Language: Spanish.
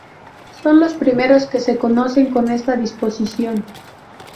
Son los primeros que se conocen con esta disposición.